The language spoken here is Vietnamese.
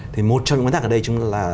thì một trong những nguyên tắc ở đây